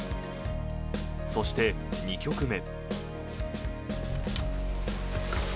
そして、２局目。